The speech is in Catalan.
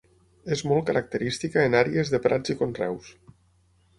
És molt característica en àrees de prats i conreus.